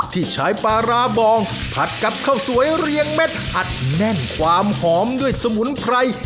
ที่ใช้ปลาร้าบองผัดกับข้าวสวยเรียงเม็ดอัดแน่นความหอมด้วยสมุนไพร